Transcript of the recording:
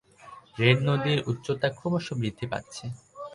Red নদীর উচ্চতা ক্রমশ বৃদ্ধি পাচ্ছে।